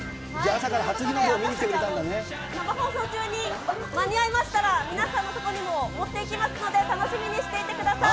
朝から初日の出を見に来てく生放送中に間に合いましたら、皆さんの所にも持っていきますので、楽しみにしていてください。